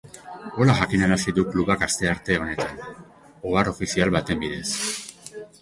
Hala jakinarazi du klubak astearte honetan, ohar ofizial baten bidez.